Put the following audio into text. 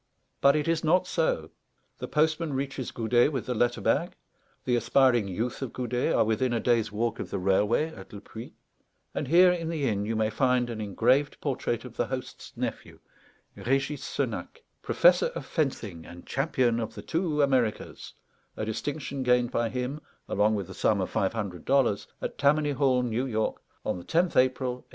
But it is not so; the postman reaches Goudet with the letter bag; the aspiring youth of Goudet are within a day's walk of the railway at Le Puy; and here in the inn you may find an engraved portrait of the host's nephew, Régis Senac, "Professor of Fencing and Champion of the two Americas," a distinction gained by him, along with the sum of five hundred dollars, at Tammany Hall, New York, on the 10th April 1876.